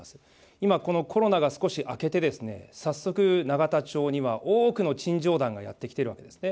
今このコロナが少し明けて、早速、永田町には多くの陳情団がやって来ているわけですね。